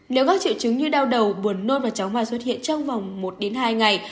nếu các triệu chứng như đau đầu buồn nôn và chóng mặt xuất hiện trong vòng một hai ngày